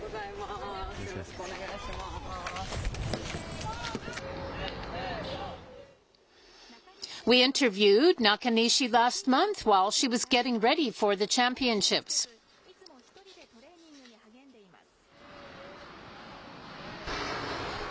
コーチをつけず、いつも１人でトレーニングに励んでいます。